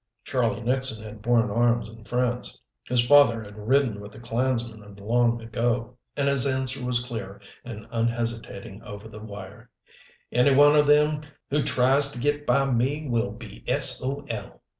Charley Nixon had borne arms in France, his father had ridden with the Clansmen of long ago, and his answer was clear and unhesitating over the wire. "Any one who tries to get by me will be S. O. L.